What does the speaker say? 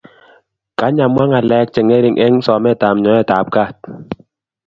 Kany amwaa ngalek chengering eng sometab nyoetab kaat